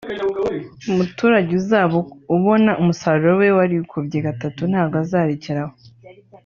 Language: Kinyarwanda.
umuturage uzaba ubona umusaruro we warikubye gatatu ntago azarekera aho